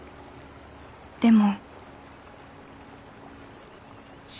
でも」